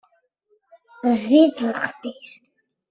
Tezdi-d lqedd-is.